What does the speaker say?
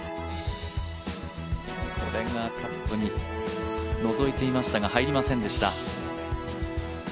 これがカップにのぞいていましたが、入りませんでした。